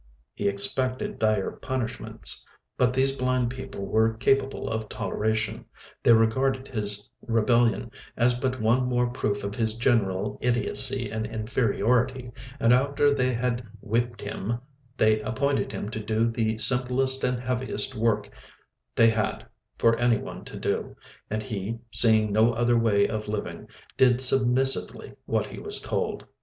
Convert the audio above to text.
He expected dire punishments, but these blind people were capable of toleration. They regarded his rebellion as but one more proof of his general idiocy and inferiority, and after they had whipped him they appointed him to do the simplest and heaviest work they had for anyone to do, and he, seeing no other way of living, did submissively what he was told.